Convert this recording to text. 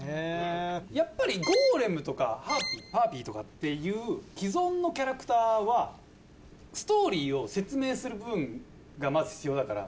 やっぱりゴーレムとかハーピーとかっていう既存のキャラクターはストーリーを説明する部分がまず必要だから。